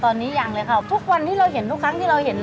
ตอนนี้ยังเลยค่ะทุกวันที่เราเห็นทุกครั้งที่เราเห็น